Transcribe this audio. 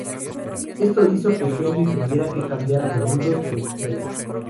Esto hizo que Henry tuviera que cambiar a menudo de escuela.